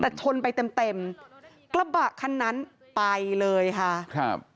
แต่ชนไปเต็มเต็มกระบะคันนั้นไปเลยค่ะครับ